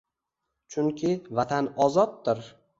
Chunki Vatan ozoddir